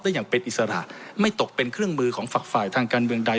อย่างเป็นอิสระไม่ตกเป็นเครื่องมือของฝักฝ่ายทางการเมืองใด